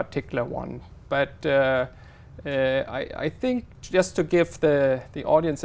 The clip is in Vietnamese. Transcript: giữa những vấn đề này